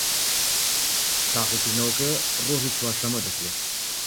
تاقیکردنەوەکە ڕۆژی چوارشەممە دەکرێت